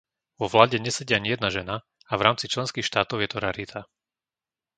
Vo vláde nesedí ani jedna žena a v rámci členských štátov je to rarita.